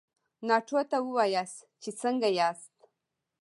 ناټو ته ووایاست چې څنګه ياست؟